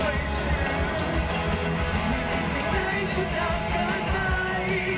แต่ก็ล่าวว่าเท่าที่ของข้างในว่าคือไม่ได้